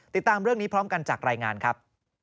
ติดตามเรื่องนี้พร้อมกันจากรายงานครับ